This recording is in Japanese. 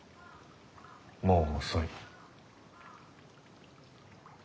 もう遅い。